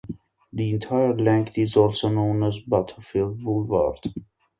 The entire length is also known as Battlefield Boulevard.